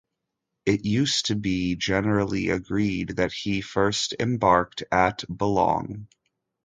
It used to be generally agreed that he first embarked at Boulogne.